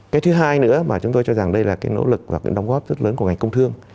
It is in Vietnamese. cái thứ hai nữa mà chúng tôi cho rằng đây là nỗ lực và đồng góp rất lớn của ngành công thương